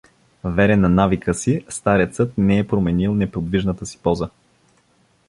Верен на навика си, старецът не е променил неподвижната си поза.